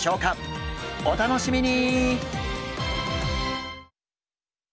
お楽しみに！